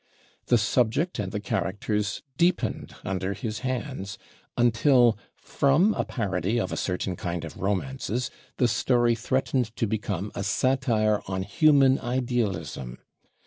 The subject and the characters deepened under his hands, until from a parody of a certain kind of romances the story threatened to become a satire on human idealism.